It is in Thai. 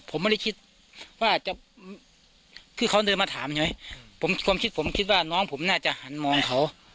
ผมไม่ได้คิดว่าจะคือเขาเดินมาถามใช่ไหมความคิดผมคิดว่าน้องผมน่าจะหันมองเขา